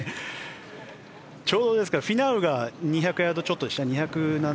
ちょうどフィナウが２０７ヤードとかでしたかね。